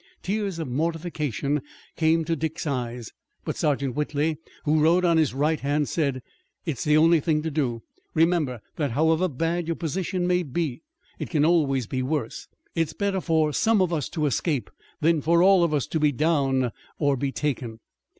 Tears of mortification came to Dick's eyes, but Sergeant Whitley, who rode on his right hand, said: "It's the only thing to do. Remember that however bad your position may be it can always be worse. It's better for some of us to escape than for all of us to be down or be taken."